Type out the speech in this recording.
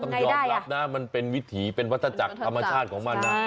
ต้องยอมรับนะมันเป็นวิถีเป็นวัตถจักรธรรมชาติของมันนะ